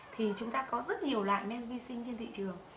thì chúng ta có rất nhiều loại men vi sinh trên thị trường